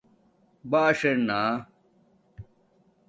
بݳݽ ارنݳ